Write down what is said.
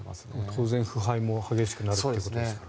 当然腐敗も激しくなるということですから。